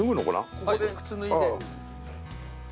ここで靴脱いで。